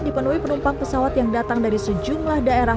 dipenuhi penumpang pesawat yang datang dari sejumlah daerah